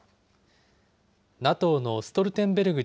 ＮＡＴＯのストルテンベルグ